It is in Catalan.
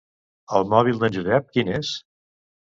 El mòbil d'en Josep, quin és?